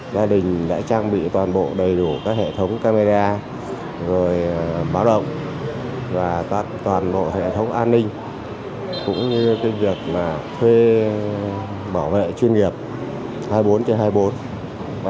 gia đình đã trang bị toàn bộ đầy đủ các hệ thống camera rồi báo động và toàn bộ hệ thống an ninh cũng như việc thuê bảo vệ chuyên nghiệp